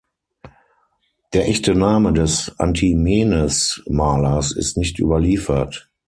Der echte Name des Antimenes-Malers ist nicht überliefert.